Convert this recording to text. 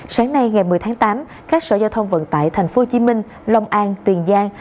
sáng nay ngày một mươi tháng tám các sở giao thông vận tải tp hcm long an tiền giang